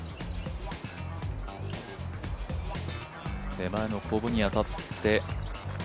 手前のこぶに当たって。